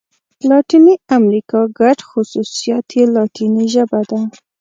لاتیني امريکا ګډ خوصوصیات یې لاتيني ژبه ده.